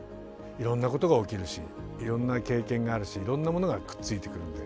いろんなことが起きるしいろんな経験があるしいろんなものがくっついてくるんで。